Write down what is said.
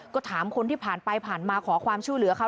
ก็ถามคนที่ผ่านไปผ่านมาขอความช่วยเหลือค่ะ